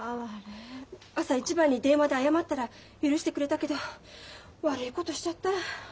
朝一番に電話で謝ったら許してくれたけど悪いことしちゃった。